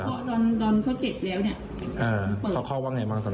เคาะตอนตอนเขาเจ็บแล้วเนี้ยเอ่อเคาะเคาะว่าไงบ้างตอนนั้น